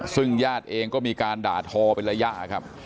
ซึ่งญาติเองก็มีการด่าทอเป็นระยะครับ